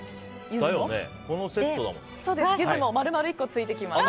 ユズも丸々１個ついてきます。